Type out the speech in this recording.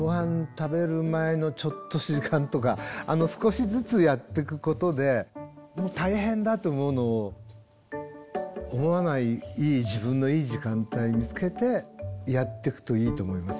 食べる前のちょっとした時間とか少しずつやってくことで大変だと思うのを思わない自分のいい時間帯見つけてやってくといいと思います。